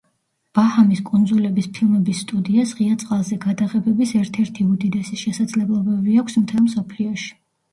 ბაჰამის კუნძულების ფილმების სტუდიას ღია წყალზე გადაღებების ერთ-ერთი უდიდესი შესაძლებლობები აქვს მთელ მსოფლიოში.